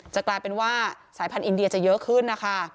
กลายเป็นว่าสายพันธุอินเดียจะเยอะขึ้นนะคะ